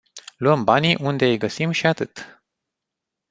Luăm banii unde îi găsim și atât.